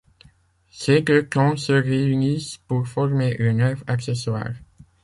Ces deux troncs se réunissent pour former le nerf accessoire.